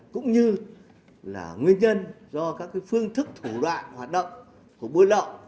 cũng như là nguyên nhân do các phương thức thủ đoạn hoạt động của buôn lậu